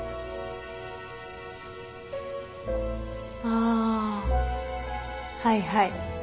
あーはいはい。